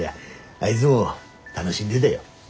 あいづも楽しんでだよ。